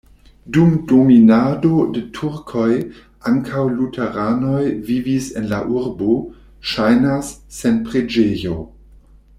Dum dominado de turkoj ankaŭ luteranoj vivis en la urbo, ŝajnas, sen preĝejo.